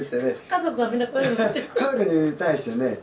家族に対してね。